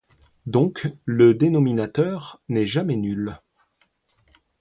Donc le dénominateur n'est jamais nul.